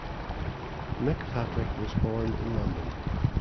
Nick Patrick was born in London.